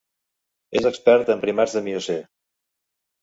És expert en primats del Miocè.